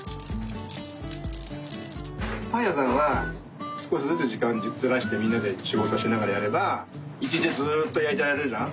パンやさんはすこしずつじかんずらしてみんなでしごとしながらやればいちにちずっとやいてられるじゃん？